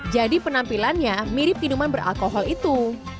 jadi penampilannya mirip minuman beralkohol itu